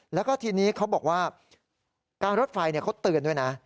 แล้วก็ทีนี้เขาบอกว่าการรถไฟเขาเตือนด้วยนะ